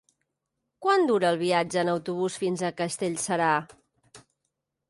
Quant dura el viatge en autobús fins a Castellserà?